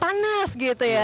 panas gitu ya